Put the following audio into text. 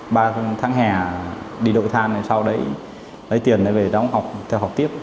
ba tháng hè đi đội than sau đấy lấy tiền để về đóng học theo học tiếp